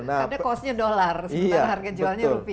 karena cost nya dollar sebetulnya harga jualnya rupiah